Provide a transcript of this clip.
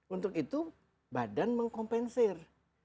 untuk itu badan mengkompensir